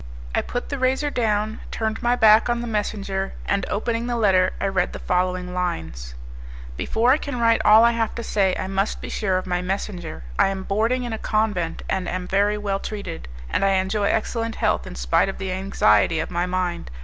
I put the razor down, turned my back on the messenger, and opening the letter I read the following lines, "Before I can write all I have to say, I must be sure of my messenger. I am boarding in a convent, and am very well treated, and I enjoy excellent health in spite of the anxiety of my mind.